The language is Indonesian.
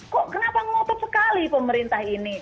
kok kenapa ngotot sekali pemerintah ini